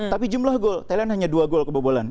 tapi jumlah gol thailand hanya dua gol kebobolan